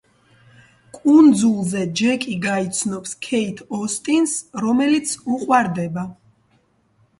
კუნძულზე ჯეკი გაიცნობს ქეით ოსტინს, რომელიც უყვარდება.